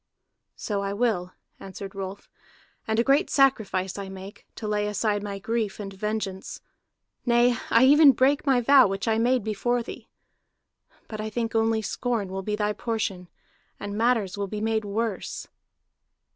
"So I will," answered Rolf, "and a great sacrifice I make, to lay aside my grief and vengeance. Nay, I even break my vow which I made before thee. But I think only scorn will be thy portion, and matters will be made worse."